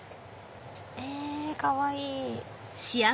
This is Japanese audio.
へぇかわいい！